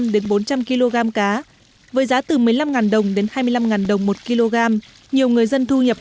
đến bốn trăm linh kg cá với giá từ một mươi năm đồng đến hai mươi năm đồng một kg nhiều người dân thu nhập